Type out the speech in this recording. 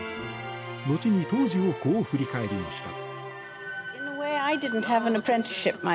後に当時をこう振り返りました。